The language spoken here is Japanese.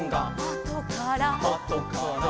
「あとから」